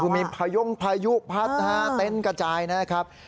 ก็มีพย่งพยุพัฒนาเต้นกระจายนะครับ